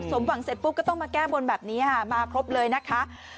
สมหวังเสร็จปุ๊บก็ต้องมาแก้บนแบบนี้ค่ะมาครบเลยนะคะ